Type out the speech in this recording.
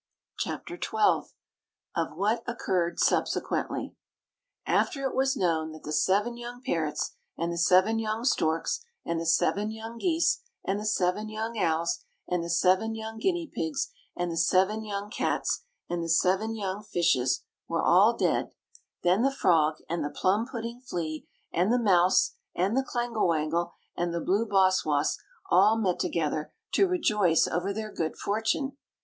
CHAPTER XII OF WHAT OCCURRED SUBSEQUENTLY After it was known that the seven young parrots, and the seven young storks, and the seven young geese, and the seven young owls, and the seven young guinea pigs, and the seven young cats, and the seven young fishes, were all dead, then the frog, and the plum pudding flea, and the mouse, and the clangle wangle, and the blue boss woss all met together to rejoice over their good fortune.